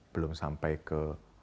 belum sampai ke